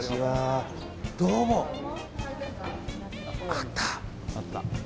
あった！